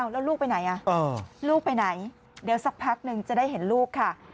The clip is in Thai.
แล้วลูกไปไหนลูกไปไหนเดี๋ยวสักพักหนึ่งจะได้เห็นลูกค่ะ